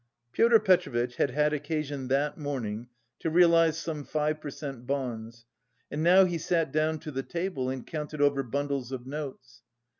Pyotr Petrovitch had had occasion that morning to realise some five per cent bonds and now he sat down to the table and counted over bundles of notes.